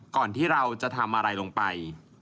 ก่อนที่เราจะทำอะไรลงไป